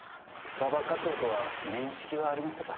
草葉課長とは面識はありましたか？